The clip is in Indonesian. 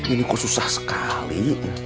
ini kok susah sekali